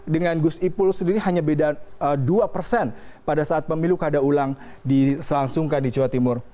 dengan gus ipul sendiri hanya beda dua persen pada saat pemilu kada ulang diselangsungkan di jawa timur